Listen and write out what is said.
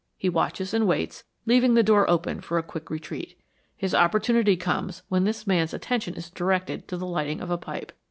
He watches and waits, leaving the door open for a quick retreat. His opportunity comes when this man's attention is directed to the lighting of a pipe.